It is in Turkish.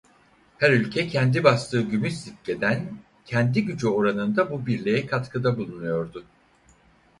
Her ülke kendi bastığı gümüş sikkeden kendi gücü oranında bu birliğe katkıda bulunuyordu.